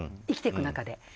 生きていく中で。